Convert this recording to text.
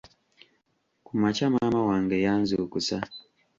Ku makya maama wange yanzukusa.